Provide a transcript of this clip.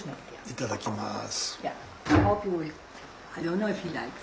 いただきます。